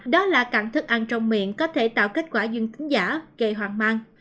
đó là cặn thức ăn trong miệng có thể tạo kết quả dương tính giả gây hoang mang